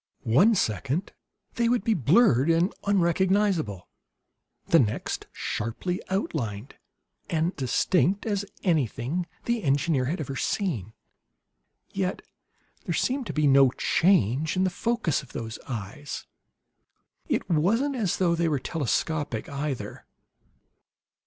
One second they would be blurred and unrecognizable; the next, sharply outlined and distinct as anything the engineer had ever seen. Yet, there seemed to be no change in the focus of those eyes. It wasn't as though they were telescopic, either.